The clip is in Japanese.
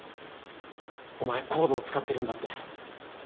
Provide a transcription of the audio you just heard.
お前ＣＯＤＥを使ってるんだって？